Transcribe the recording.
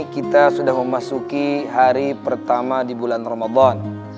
kita sudah memasuki hari pertama di bulan ramadan